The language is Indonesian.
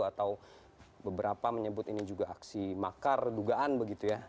atau beberapa menyebut ini juga aksi makar dugaan begitu ya